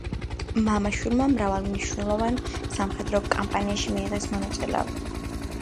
მამა-შვილმა მრავალ მნიშვნელოვან სამხედრო კამპანიაში მიიღეს მონაწილეობა.